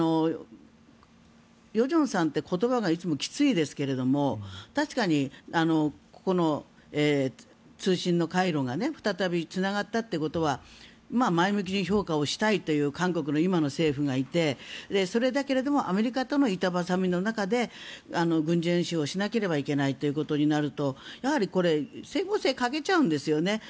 与正さんって言葉がいつもきついですけれども確かにここの通信の回路が再びつながったことは前向きに評価したいという韓国の今の政府がいてそれだけれどもアメリカとの板挟みの中で軍事演習をしなければいけないということになるとやはり、これ整合性が欠けちゃうんですよね。